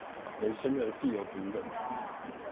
人生而自由平等